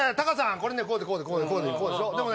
これねこうでこうでこうでこうでしょでもね